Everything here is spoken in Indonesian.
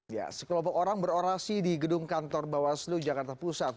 ya sekelompok orang berorasi di gedung kantor bawaslu jakarta pusat